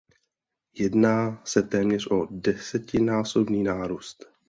Jedná se téměř o desetinásobný nárůst.